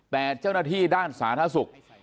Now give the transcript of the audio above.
แต่เจ้าหน้าที่ด้านสาธารณสุข